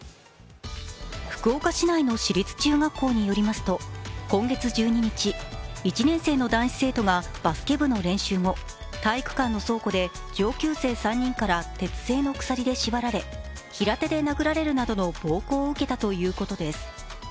福岡市内の私立中学校によりますと今月１２日、１年生の男子生徒がバスケ部の練習後、体育館の倉庫で上級生３人から鉄製の鎖で縛られ平手で殴られるなどの暴行を受けたということです。